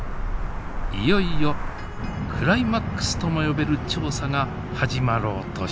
いよいよクライマックスとも呼べる調査が始まろうとしていました。